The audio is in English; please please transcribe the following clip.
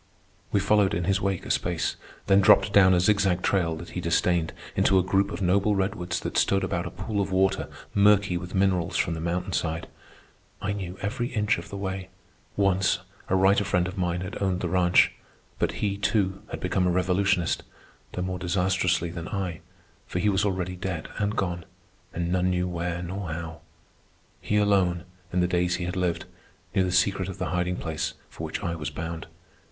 We followed in his wake a space, then dropped down a zigzag trail that he disdained into a group of noble redwoods that stood about a pool of water murky with minerals from the mountain side. I knew every inch of the way. Once a writer friend of mine had owned the ranch; but he, too, had become a revolutionist, though more disastrously than I, for he was already dead and gone, and none knew where nor how. He alone, in the days he had lived, knew the secret of the hiding place for which I was bound.